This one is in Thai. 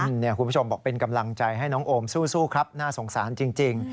คุณผู้ชมบอกเป็นกำลังใจให้น้องโอมสู้ครับน่าสงสารจริง